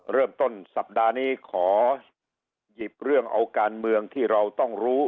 เริ่มต้นสัปดาห์นี้ขอหยิบเรื่องเอาการเมืองที่เราต้องรู้